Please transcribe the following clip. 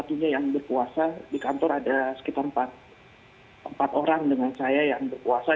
satunya yang berpuasa di kantor ada sekitar empat orang dengan saya yang berpuasa